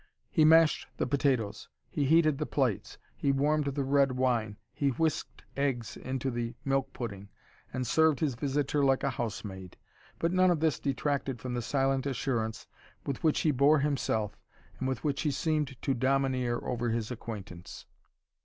He mashed the potatoes, he heated the plates, he warmed the red wine, he whisked eggs into the milk pudding, and served his visitor like a housemaid. But none of this detracted from the silent assurance with which he bore himself, and with which he seemed to domineer over his acquaintance.